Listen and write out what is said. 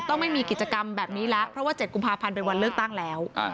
ไม่มีกิจกรรมแบบนี้แล้วเพราะว่า๗กุมภาพันธ์เป็นวันเลือกตั้งแล้ว